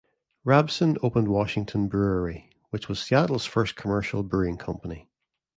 Rabbeson opened Washington Brewery, which was Seattle's first commercial brewing company.